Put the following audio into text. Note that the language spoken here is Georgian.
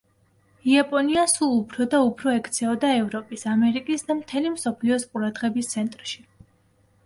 იაპონია სულ უფრო და უფრო ექცეოდა ევროპის, ამერიკის და მთელი მსოფლიოს ყურადღების ცენტრში.